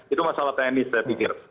itu masalah teknis saya pikir